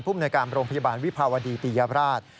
ผู้อำนวยการโรงพยาบาลวิภาวดีตียพราช